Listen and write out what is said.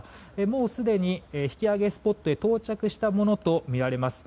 もうすでに引き揚げスポットへ到着したものとみられます。